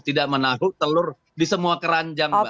tidak menaruh telur di semua keranjang mbak